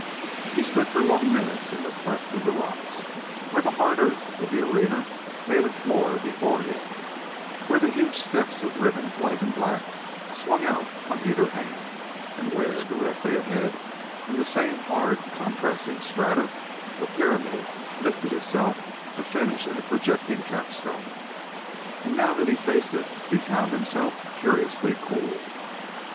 He stood for long minutes in the cleft in the rocks where the hard earth of the arena made a floor before him, where the huge steps of ribboned white and black swung out on either hand, and where, directly ahead, in the same hard, contrasting strata, a pyramid lifted itself to finish in a projecting capstone. And now that he faced it he found himself curiously cool.